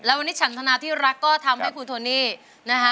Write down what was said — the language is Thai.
วันนี้ฉันธนาที่รักก็ทำให้คุณโทนี่นะคะ